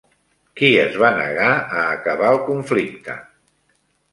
Qui es va negar a acabar el conflicte?